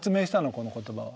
この言葉は。